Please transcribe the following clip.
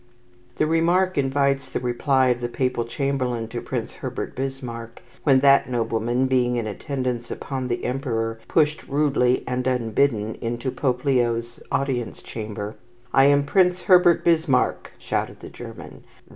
The remark invites the reply of the Papal chamberlain to Prince Herbert Bismarck, when that nobleman, being in attendance upon the Emperor, pushed rudely and unbidden into Pope Leo's audience chamber. "I am Prince Herbert Bismarck," shouted the German.